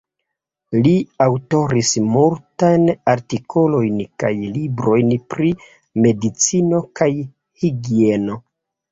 Li aŭtoris multajn artikolojn kaj librojn pri medicino kaj higieno.